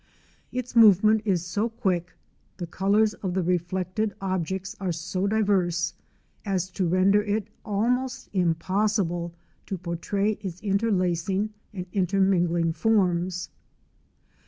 Its movement is so quick, the colours of the reflected objects are so diverse, as to render it almost impossible to portray its interlacing and inter mingling forms.